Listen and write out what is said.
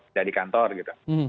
tidak di kantor gitu